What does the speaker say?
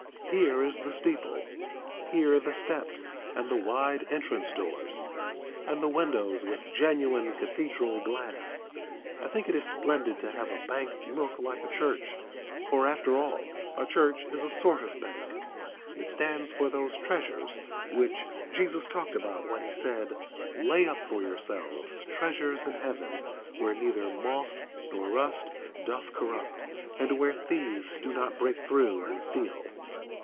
Here is the steeple, here the steps and the wide entrance doors, and the windows with genuine cathedral glass. I think it is splendid to have a bank look like a church, for after all a church is a sort of bank. It stands for those treasures which Jesus talked about when he said, "Lay up for yourselves treasures in heaven, where neither moth nor rust doth corrupt, and where thieves do not break through and steal."